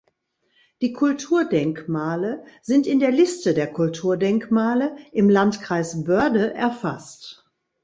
Die Kulturdenkmale sind in der Liste der Kulturdenkmale im Landkreis Börde erfasst.